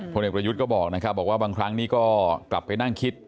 เอกประยุทธ์ก็บอกนะครับบอกว่าบางครั้งนี้ก็กลับไปนั่งคิด